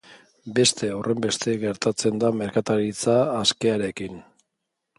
Beste horrenbeste gertatzen da merkataritza askearekin.